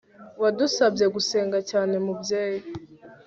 wadusabye gusenga cyane mubyeyi